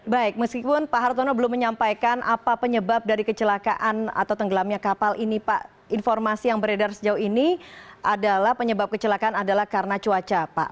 baik meskipun pak hartono belum menyampaikan apa penyebab dari kecelakaan atau tenggelamnya kapal ini pak informasi yang beredar sejauh ini adalah penyebab kecelakaan adalah karena cuaca pak